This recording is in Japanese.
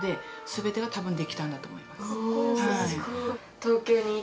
全てが多分できたんだと思います。